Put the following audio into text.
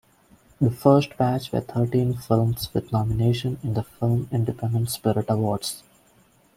The first batch were thirteen films with nominations in the Film Independent Spirit Awards.